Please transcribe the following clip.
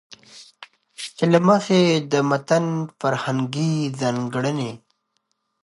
چې له مخې يې د متن فرهنګي ځانګړنې